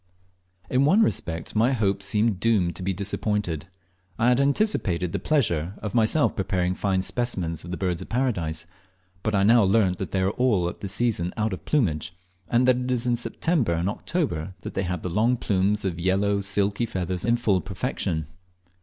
In one respect my hopes seemed doomed to be disappointed. I had anticipated the pleasure of myself preparing fine specimens of the Birds of Paradise, but I now learnt that they are all at this season out of plumage, and that it is in September and October that they have the long plumes of yellow silky feathers in full perfection.